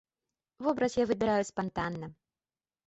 Вобраз я выбіраю спантанна.